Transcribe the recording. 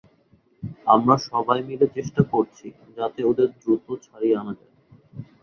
আমরা সবাই মিলে চেষ্টা করছি, যাতে ওদের দ্রুত ছাড়িয়ে আনা যায়।